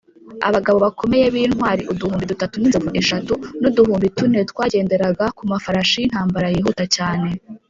abagabo bakomeye b’ intwari uduhumbi dutatu n’inzovu eshatu n’uduhumbi tune twagenderaga ku mafarashi y’intambara yihuta cyane .